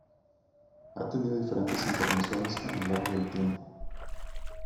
Ha tenido diferentes intervenciones a lo largo del tiempo.